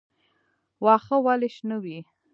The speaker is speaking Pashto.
واښه ولې شنه وي؟